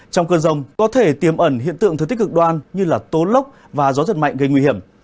trong cơn rông có thể tiềm ẩn hiện tượng thừa tích cực đoan như tố lốc và gió giật mạnh gây nguy hiểm